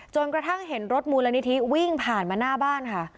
กระทั่งเห็นรถมูลนิธิวิ่งผ่านมาหน้าบ้านค่ะ